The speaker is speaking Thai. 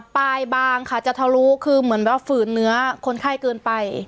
ปลายบางค่ะจะทะลุคือเหมือนแบบฝืนเนื้อคนไข้เกินไป